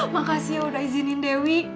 makasih ya udah izinin dewi